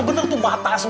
bener tuh mata semua